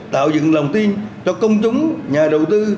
tạo dựng lòng tin cho công chúng nhà đầu tư